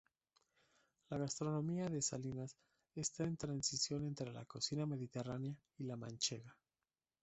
La gastronomía de Salinas está en transición entre la cocina mediterránea y la manchega.